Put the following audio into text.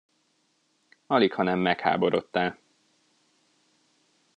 Alighanem megháborodtál.